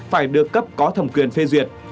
phải được cấp có thẩm quyền phê duyệt